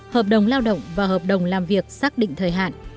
hợp đồng lao động và hợp đồng làm việc xác định thời hạn